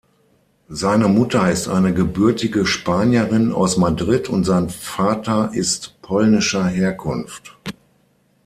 Seine Mutter ist eine gebürtige Spanierin aus Madrid und sein Vater ist polnischer Herkunft.